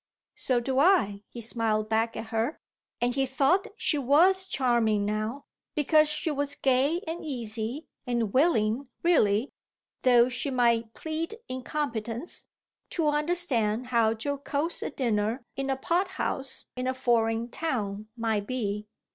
"So do I," he smiled back at her; and he thought she was charming now, because she was gay and easy and willing really, though she might plead incompetence, to understand how jocose a dinner in a pothouse in a foreign town might be.